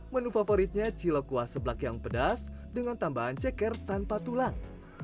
menu favoritnya cilok kuah seblak yang pedas dengan tambahan ceker tanpa tulang